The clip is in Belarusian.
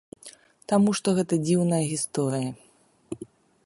Таму што гэта дзіўная гісторыя.